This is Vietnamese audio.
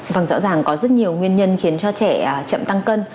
vâng rõ ràng có rất nhiều nguyên nhân khiến cho trẻ chậm tăng cân